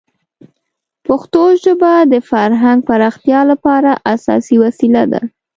پښتو ژبه د فرهنګ پراختیا لپاره اساسي وسیله ده.